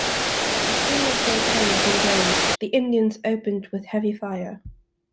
As soon as they came within range, the Indians opened with heavy fire.